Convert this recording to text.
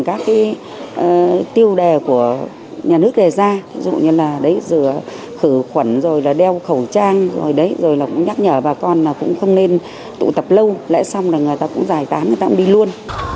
các cái tiêu đề của nhà nước đề ra ví dụ như là đấy rửa khử khuẩn rồi là đeo khẩu trang rồi đấy rồi là cũng nhắc nhở bà con là cũng không nên tụ tập lâu lại xong là người ta cũng giải tán người ta cũng đi luôn